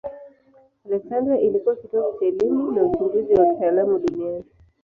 Aleksandria ilikuwa kitovu cha elimu na uchunguzi wa kitaalamu duniani.